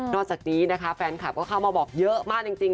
จากนี้นะคะแฟนคลับก็เข้ามาบอกเยอะมากจริง